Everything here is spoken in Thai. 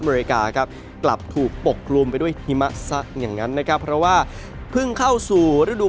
เมริกาครับกลับถูกปกกลุ่มไปด้วยหิมะซะอย่างนั้นนะครับเพราะว่าเพิ่งเข้าสู่ฤดู